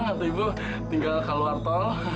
nanti ibu tinggal keluar tol